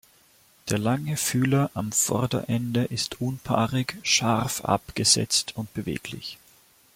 Der lange Fühler am Vorderende ist unpaarig, scharf abgesetzt und beweglich.